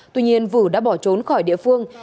tuy nhiên vử đã bỏ trốn khỏi địa phương